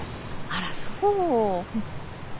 あらそう。